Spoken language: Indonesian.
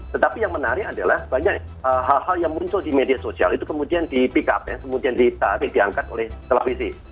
tetapi yang menarik adalah banyak hal hal yang muncul di media sosial itu kemudian di pick up ya kemudian ditarik diangkat oleh televisi